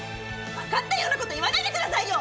わかったようなこと言わないでくださいよ！